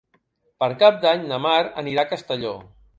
Per Cap d'Any na Mar anirà a Castelló.